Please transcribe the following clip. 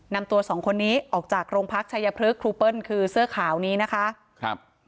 นำตัวสองคนนี้ออกจากโรงพักชายพลึกครูเปิ้ลคือเสื้อขาวนี้นะคะครับ